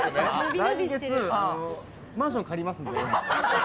来月、マンション借りますんで。